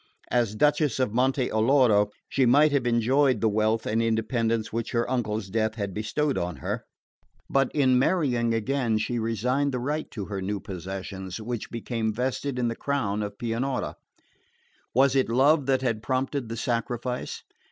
As Duchess of Monte Alloro she might have enjoyed the wealth and independence which her uncle's death had bestowed on her, but in marrying again she resigned the right to her new possessions, which became vested in the crown of Pianura. Was it love that had prompted the sacrifice?